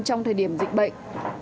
trong thời điểm dịch bệnh